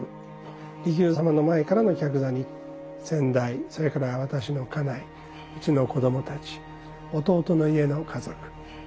利休様の前からの客座に先代それから私の家内うちの子どもたち弟の家の家族。